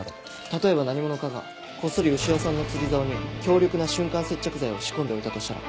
例えば何者かがこっそり潮さんの釣り竿に強力な瞬間接着剤を仕込んでおいたとしたら。